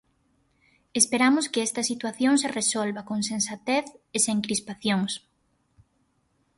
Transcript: Esperamos que esta situación se resolva con sensatez e sen crispacións.